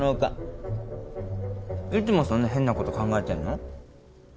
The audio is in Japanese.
いつもそんな変なこと考えてんの？